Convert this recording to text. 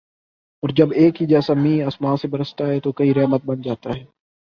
اور جب ایک ہی جیسا مینہ آسماں سے برستا ہے تو کہیں رحمت بن جاتا ہے